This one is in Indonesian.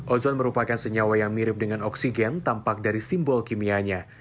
ozon merupakan senyawa yang mirip dengan oksigen tampak dari simbol kimianya